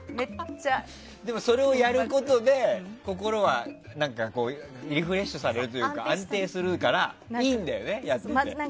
それをやることで心はリフレッシュされるというか安定されるからいいんだよね？